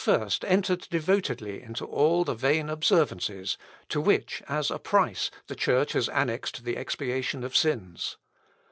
We have seen how he at first entered devotedly into all the vain observances, to which, as a price, the Church has annexed the expiation of sins.